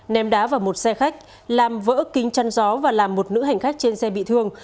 ném đá vào một xe khách làm vỡ kính chăn gió và làm một nữ hành khách trên xe bị thương